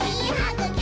ぐき！